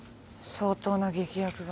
相当な劇薬が？